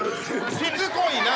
しつこいな！